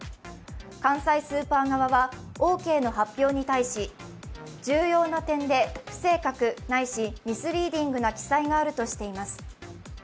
関西スーパー側はオーケーの発表に対し、重要な点で不正確ないしミスリーディングな記載があるとしています。